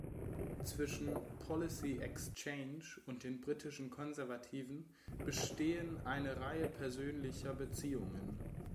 Zwischen Policy Exchange und den britischen Konservativen bestehen eine Reihe persönlicher Beziehungen.